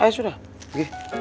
ayo sudah pergi